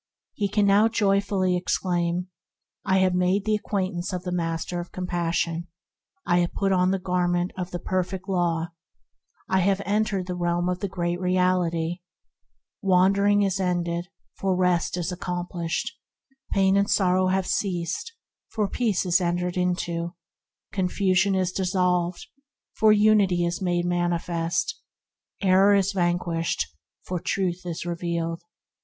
He can now joyfully exclaim: "I have made the acquaintance of the Master of Compas sion; I have put on the Garment of the Perfect Law; I have entered the realm of the Great Reality; Wandering is ended, for Rest is accomplished; Pain and sorrow have ceased, for Peace is entered into; Confusion is dissolved, for Unity is made manifest; Error is vanquished, for Truth is revealed!"